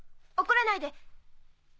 怒らないで！